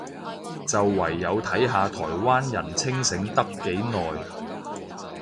就唯有睇下台灣人清醒得幾耐